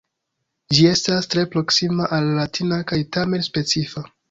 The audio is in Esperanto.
Ĝi estas tre proksima al la latina kaj tamen specifa.